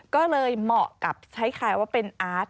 ก็เลยเหมาะกับใช้คลายว่าเป็นอาร์ต